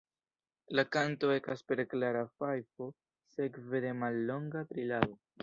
La kanto ekas per klara fajfo, sekve de mallonga trilado.